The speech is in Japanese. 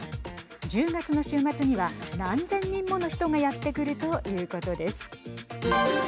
１０月の週末には何千人もの人がやって来るということです。